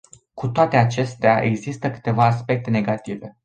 Cu toate acestea, există câteva aspecte negative.